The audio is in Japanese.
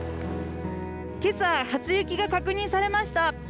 今朝、初雪が確認されました。